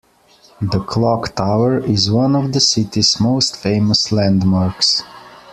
The clock tower is one of the city's most famous landmarks.